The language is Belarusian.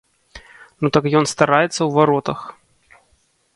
Ну так ён стараецца ў варотах.